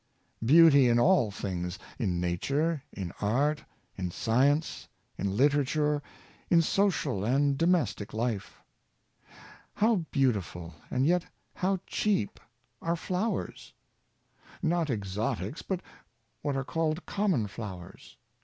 Beauty in all things — in nature, in art, in science, in literature, in social and domestic life. How beautiful and yet how cheap are flowers! Not exotics, but what are called common flowers.